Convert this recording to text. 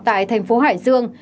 tại thành phố hải dương